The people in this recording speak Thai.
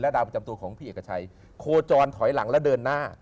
ดาวประจำตัวของพี่เอกชัยโคจรถอยหลังแล้วเดินหน้า